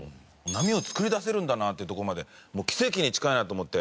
波を作り出せるんだなんてとこまでもう奇跡に近いなって思って。